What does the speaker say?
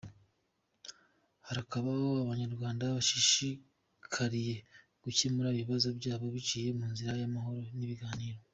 Harakabaho Abanyarwanda bashishikariye gukemura ibibazo byabo biciye mu nzira y’amahoro n’ibiganiro